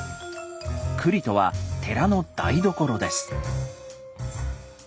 「庫裏」とは寺の台所です。